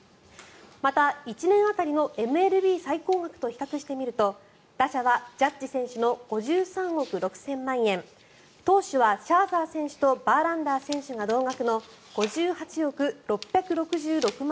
また、１年当たりのＭＬＢ最高額と比較してみると打者はジャッジ選手の５３億６０００万円投手はシャーザー選手とバーランダー選手が同額の５８億６６６万